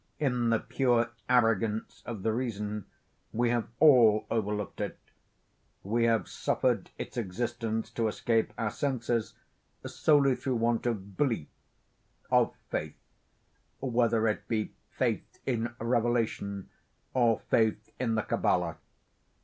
In the pure arrogance of the reason, we have all overlooked it. We have suffered its existence to escape our senses, solely through want of belief—of faith;—whether it be faith in Revelation, or faith in the Kabbala.